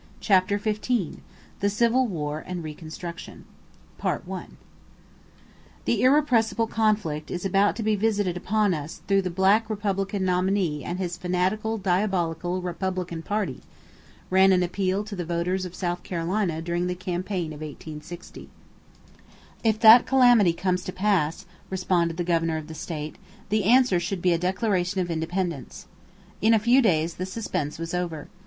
CHAPTER XV THE CIVIL WAR AND RECONSTRUCTION "The irrepressible conflict is about to be visited upon us through the Black Republican nominee and his fanatical, diabolical Republican party," ran an appeal to the voters of South Carolina during the campaign of 1860. If that calamity comes to pass, responded the governor of the state, the answer should be a declaration of independence. In a few days the suspense was over.